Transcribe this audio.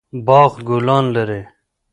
باغ ګلان لري